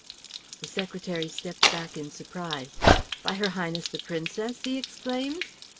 The secretary stepped back in surprise. "By her Highness the Princess?" he exclaimed.